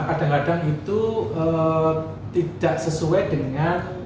kadang kadang itu tidak sesuai dengan